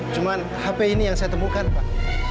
cuma hp ini yang saya temukan pak